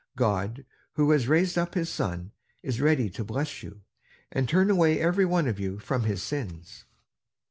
God, who has raised up his Son, is ready to bless you, and turn away every one of you from his sins."